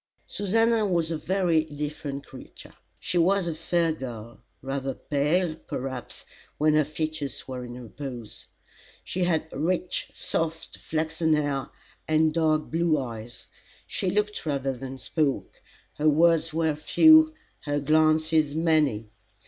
Susannah was a very different creature. She was a fair girl rather pale, perhaps, when her features were in repose. She had rich soft flaxen hair, and dark blue eyes. She looked rather than spoke. Her words were few, her glances many.